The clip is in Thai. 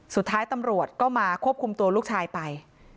สุดท้ายตำรวจก็มาควบคุมตัวลูกชายไป